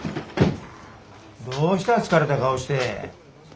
どうした疲れた顔して。